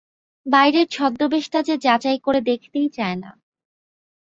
বাইরের ছদ্মবেশটা যে যাচাই করে দেখতেই চায় না।